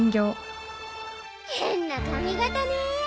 変な髪形ねぇ。